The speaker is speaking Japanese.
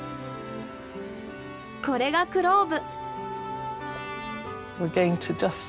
これがクローブ。